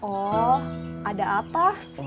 oh ada apa